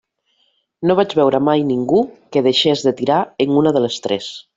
No vaig veure mai ningú que deixés de tirar en una de les tres.